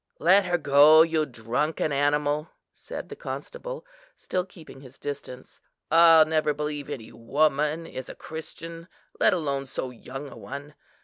"Let her go, you drunken animal!" said the constable, still keeping his distance. "I'll never believe any woman is a Christian, let alone so young a one.